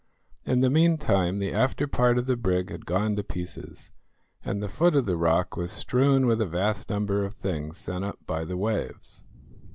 In the meantime the afterpart of the brig had gone to pieces, and the foot of the rock was strewn with a vast number of things sent up by the waves.